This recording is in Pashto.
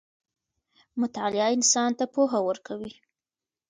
مطالعه انسان ته پوهه ورکوي.